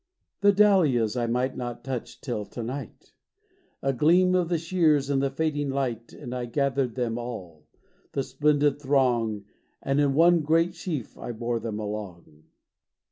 The dahlias I might not touch till to night!A gleam of the shears in the fading light, And I gathered them all,—the splendid throng, And in one great sheaf I bore them along..